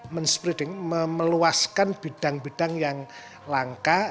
men spreading memeluaskan bidang bidang yang langka